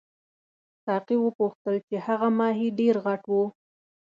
ساقي وپوښتل چې هغه ماهي ډېر غټ وو.